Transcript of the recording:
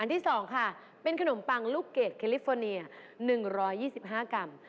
ที่๒ค่ะเป็นขนมปังลูกเกดแคลิฟอร์เนีย๑๒๕กรัม